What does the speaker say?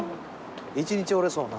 一日おれそうな。